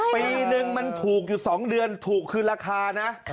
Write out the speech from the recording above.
ปีนึงมันถูกอยู่๒เดือนถูกคืนราคานะ